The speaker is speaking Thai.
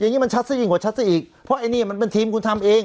อย่างนี้มันชัดซะยิ่งกว่าชัดซะอีกเพราะไอ้นี่มันเป็นทีมคุณทำเอง